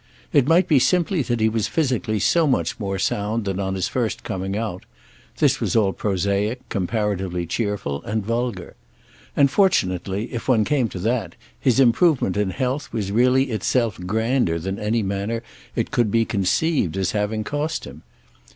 It might be simply that he was physically so much more sound than on his first coming out; this was all prosaic, comparatively cheerful and vulgar. And fortunately, if one came to that, his improvement in health was really itself grander than any manner it could be conceived as having cost him.